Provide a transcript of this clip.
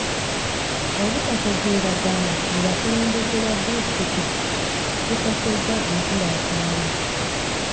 Obutategeeragana mu bakulembeze ba disitulikiti kikosezza enkulaakulana.